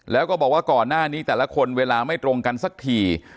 แล้วก็บอกว่าก่อนหน้านี้แต่ละคนเวลาไม่ตรงกันสักที